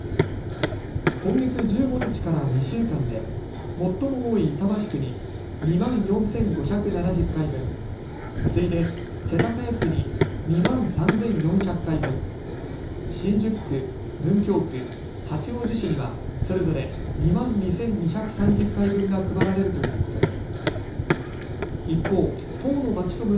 今月１５日から２週間で最も多い板橋区に２万４５７０回分、次いで、世田谷区に２万３４００回分、新宿区、文京区、八王子市には、それぞれ２万２２３０回分が配られるということです。